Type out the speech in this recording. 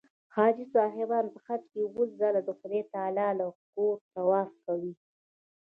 حاجي صاحبان په حج کې اووه ځله د خدای تعلی له کوره طواف کوي.